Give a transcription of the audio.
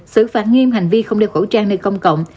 xử phạt nghiêm hành vi không đeo khẩu trang nơi công cộng